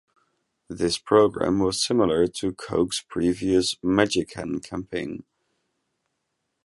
This program was similar to Coke's previous MagiCan campaign.